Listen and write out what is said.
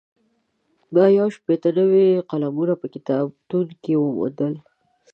ما یو شپېته نوي قلمونه په کتابتون کې وموندل.